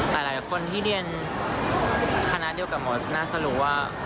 แต่หลายคนที่เรียนคณะเดียวกับมดน่าจะรู้ว่า